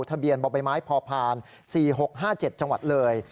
ทะเบียนบ่อใบไม้พอผ่าน๔๖๕๗จังหวัดเลย